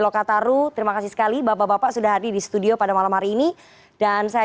lokataru terima kasih sekali bapak bapak sudah hadir di studio pada malam hari ini dan saya